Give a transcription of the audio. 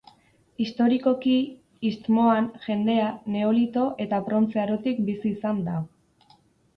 Historikoki, istmoan, jendea, Neolito eta Brontze Arotik bizi izan da.